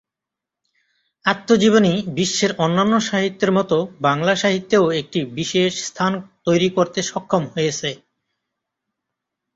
আত্মজীবনী বিশ্বের অন্যান্য সাহিত্যের মতো বাংলা সাহিত্যেও একটি বিশেষ স্থান তৈরি করতে সক্ষম হয়েছে।